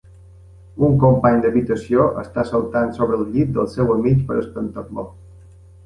Un company d'habitació està saltant sobre el llit del seu amic per espantar-lo.